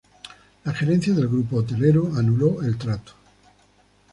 La gerencia del grupo hotelero anuló el trato.